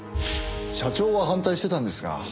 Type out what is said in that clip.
社長は反対してたんですが。